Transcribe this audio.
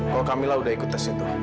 kalau kamila udah ikut tes itu